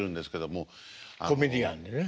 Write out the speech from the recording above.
コメディアンでね。